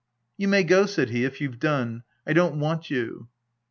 u You may go," said he, " if you've done. I don't want you."